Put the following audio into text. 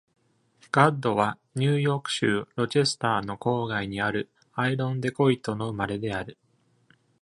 ガッドは、ニューヨーク州ロチェスターの郊外にあるアイロンデコイトの生まれである。